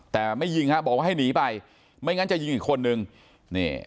แต่ไม่ยิงฮะบอกว่าให้หนีไปไม่งั้นจะยิงอีกคนนึงนี่